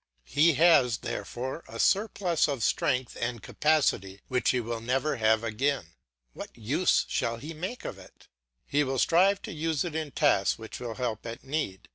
He has, therefore, a surplus of strength and capacity which he will never have again. What use shall he make of it? He will strive to use it in tasks which will help at need.